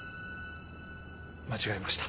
間違えました。